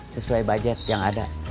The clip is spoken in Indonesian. sesuai budget yang ada